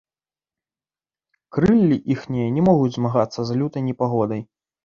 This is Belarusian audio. Крыллі іхнія не могуць змагацца з лютай непагодай.